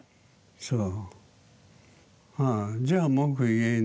そう。